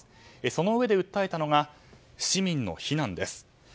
そのうえで訴えたのが市民の避難です。